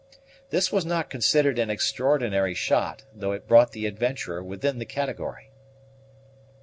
This was not considered an extraordinary shot, though it brought the adventurer within the category.